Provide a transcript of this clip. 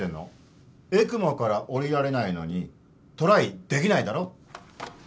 ＥＣＭＯからおりられないのにトライできないだろ？